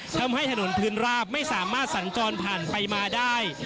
ทำให้ถนนพื้นราบไม่สามารถสัญจรผ่านไปมาได้